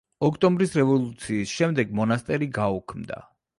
ოქტომბრის რევოლუციის შემდეგ მონასტერი გაუქმდა.